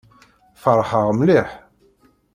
Feṛḥeɣ mliḥ.